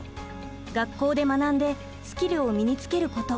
学校で学んでスキルを身につけること。